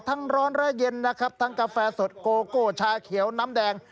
ร้อนและเย็นนะครับทั้งกาแฟสดโกโก้ชาเขียวน้ำแดง